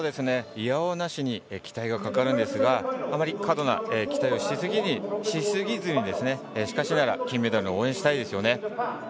いやおうなしに期待がかかるんですがあまり過度な期待をしすぎずにしかしながら、金メダル応援したいですよね。